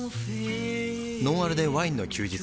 「ノンアルでワインの休日」